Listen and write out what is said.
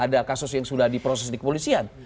ada kasus yang sudah diproses di kepolisian